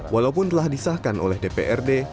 walaupun telah disahkan oleh dprd